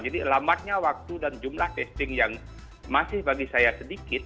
jadi lambatnya waktu dan jumlah testing yang masih bagi saya sedikit